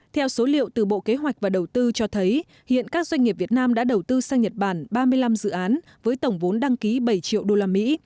theo số liệu từ bộ kế hoạch và đầu tư cho thấy hiện các doanh nghiệp việt nam đã đầu tư sang nhật bản ba mươi năm dự án với tổng vốn đăng ký bảy triệu đô la mỹ